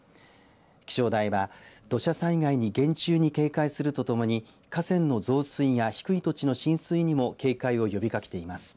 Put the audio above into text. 気象台は土砂災害に厳重に警戒するとともに河川の増水や低い土地の浸水にも警戒を呼びかけています。